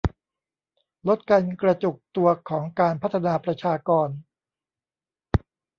ลดการกระจุกตัวของการพัฒนาประชากร